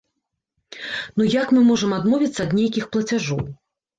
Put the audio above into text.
Ну як мы можам адмовіцца ад нейкіх плацяжоў?